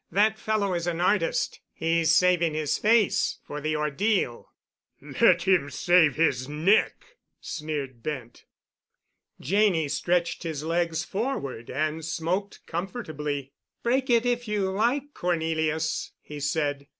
"That fellow is an artist. He's saving his face for the ordeal." "Let him save his neck," sneered Bent. Janney stretched his legs forward and smoked comfortably. "Break it if you like, Cornelius," he said.